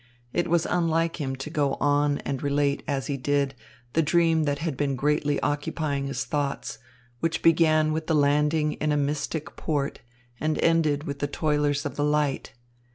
It was unlike him to go on and relate, as he did, the dream that had been greatly occupying his thoughts, which began with the landing in a mystic port and ended with the Toilers of the Light.